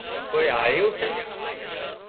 ڪوئي هاۯيون سي